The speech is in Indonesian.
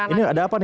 oke ini ada apa nih